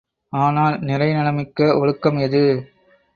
ஆனால் நிறை நலம் மிக்க ஒழுக்கம் எது?